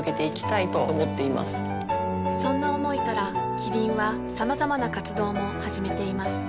そんな思いからキリンはさまざまな活動も始めています